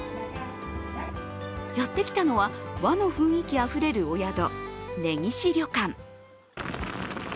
やってきたのは和の雰囲気あふれるお宿、ねぎし旅館。